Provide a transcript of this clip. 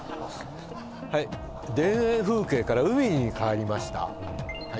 はい田園風景から海に変わりました